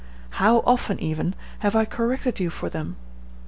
How often, even, have I corrected you for them!